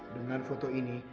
dengan foto ini